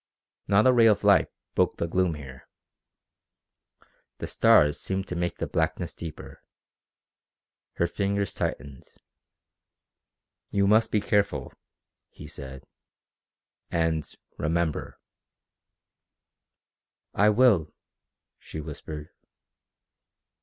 Not a ray of light broke the gloom here. The stars seemed to make the blackness deeper. Her fingers tightened. "You must be careful," he said. "And remember." "I will," she whispered.